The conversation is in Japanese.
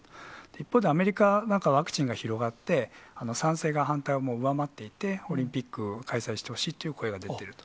一方で、アメリカなんかはワクチンが広がって、賛成が反対を上回っていて、オリンピック開催してほしいという声が出ていると。